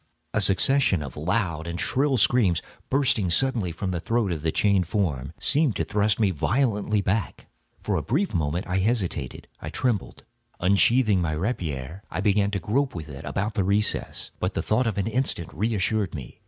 A succession of loud and shrill screams, bursting suddenly from the throat of the chained form, seemed to thrust me violently back. For a brief moment I hesitated—I trembled. Unsheathing my rapier, I began to grope with it about the recess; but the thought of an instant reassured me.